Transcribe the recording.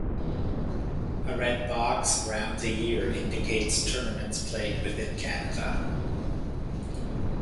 "A red box around the year indicates tournaments played within Canada"